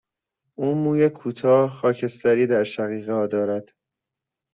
او موی کوتاه، خاکستری در شقیقه ها دارد.